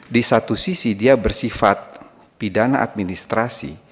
di satu sisi dia bersifat pidana administrasi